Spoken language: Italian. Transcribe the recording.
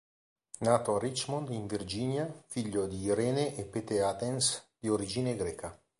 Nato a Richmond, in Virginia, figlio di Irene and Pete Athens, di origine greca.